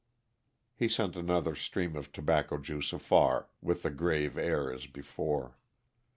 _" He sent another stream of tobacco juice afar, with the grave air as before.